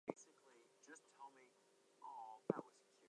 The pause was to Elizabeth's feelings dreadful.